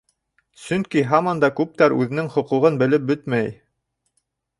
Сөнки һаман да күптәр үҙенең хоҡуғын белеп бөтмәй.